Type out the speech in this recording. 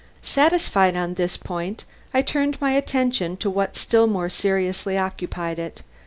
Satisfied on this point, I turned my attention to what still more seriously occupied it.